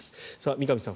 三上さん